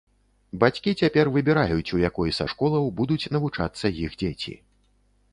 Бацькі цяпер выбіраюць, у якой са школаў будуць навучацца іх дзеці.